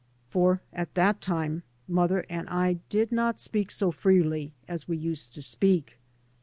For at that time mother and I did not speak so freely as we used to speak.